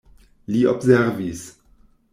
Li observis.